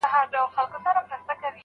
چي را ورسېدی نیسو یې موږ دواړه